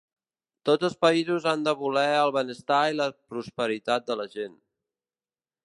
Tots els països han de voler el benestar i la prosperitat de la gent.